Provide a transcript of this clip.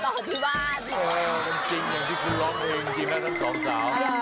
เออจริงจริงที่คือร้องเพลงที่แม่ท่านสองสาว